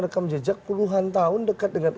rekam jejak puluhan tahun dekat dengan